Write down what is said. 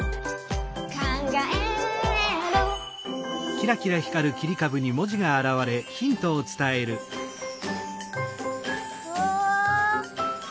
「かんがえる」うわ！